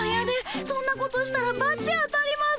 そんなことしたらばち当たります。